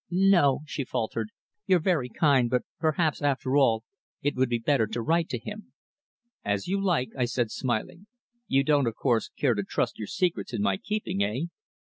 "No," she faltered. "You're very kind, but perhaps, after all, it would be better to write to him." "As you like," I said, smiling. "You don't, of course, care to trust your secrets in my keeping eh?"